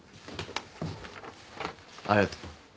ありがとう。